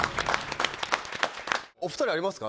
お二人ありますか？